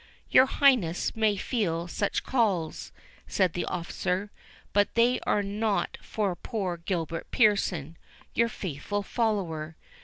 "Your Highness may feel such calls," said the officer; "but they are not for poor Gilbert Pearson, your faithful follower.